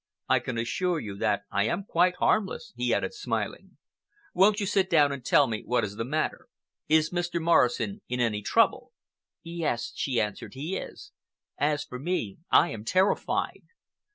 I can assure you that I am quite harmless," he added smiling. "Won't you sit down and tell me what is the matter? Is Mr. Morrison in any trouble?" "Yes," she answered, "he is. As for me, I am terrified."